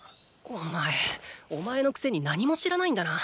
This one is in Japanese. お前お前のくせに何も知らないんだな。